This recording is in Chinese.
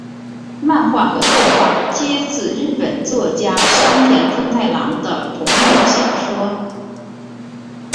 漫画和动画皆自日本作家山田风太郎的同名小说。